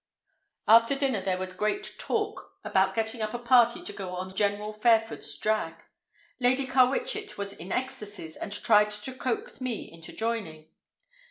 After dinner there was great talk about getting up a party to go on General Fairford's drag. Lady Carwitchet was in ecstasies and tried to coax me into joining.